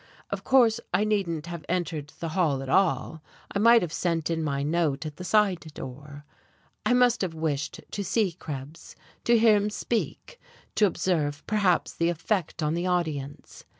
Of course I needn't have entered the hall at all: I might have sent in my note at the side door. I must have wished to see Krebs, to hear him speak; to observe, perhaps, the effect on the audience.